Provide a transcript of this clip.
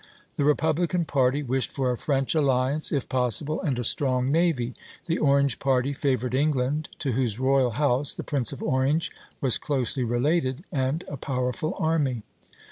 The Republican party wished for a French alliance, if possible, and a strong navy; the Orange party favored England, to whose royal house the Prince of Orange was closely related, and a powerful army.